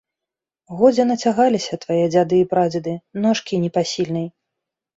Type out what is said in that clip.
Годзе нацягаліся твае дзяды і прадзеды ношкі непасільнай!